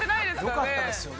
よかったですよね。